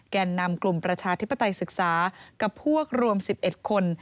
แก่นำกลุ่มประชาธิปไตยศึกษากับพวกรวม๑๑คน